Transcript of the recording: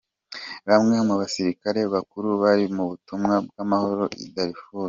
Bamwe mu basirikare bakuru bari mu butumwa bw’amahoro i Darfur.